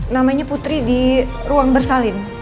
namanya putri di ruang bersalin